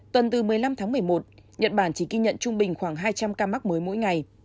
tuần từ một mươi năm tháng một mươi một nhật bản chỉ ghi nhận trung bình khoảng hai trăm linh ca mắc mới mỗi ngày